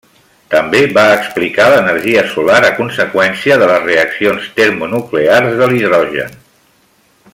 També va explicar l'energia solar a conseqüència de les reaccions termonuclears de l'hidrogen.